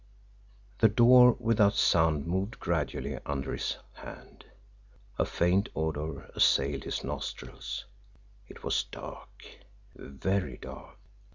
The door, without sound, moved gradually under his hand. A faint odor assailed his nostrils! It was dark, very dark.